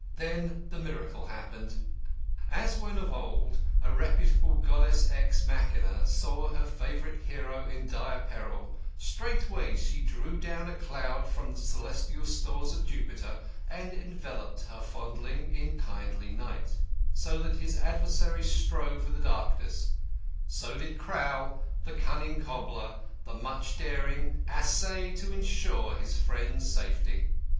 Then the miracle happened. As when of old a reputable goddess ex machinâ saw her favourite hero in dire peril, straightway she drew down a cloud from the celestial stores of Jupiter and enveloped her fondling in kindly night, so that his adversary strove with the darkness, so did Crowl, the cunning cobbler, the much daring, essay to ensure his friend's safety.